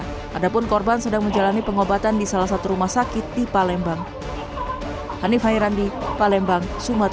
padahal korban sedang menjalani pengobatan di salah satu rumah sakit di palembang